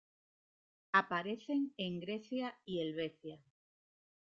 Aparecen en Grecia y Helvecia.